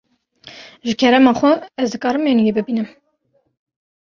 Ji kerema xwe, ez dikarim menûyê bibînim.